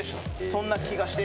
「そんな気がして」？